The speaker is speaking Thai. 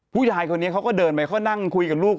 ผู้ชายคนนี้เขาก็เดินไปเขานั่งคุยกับลูก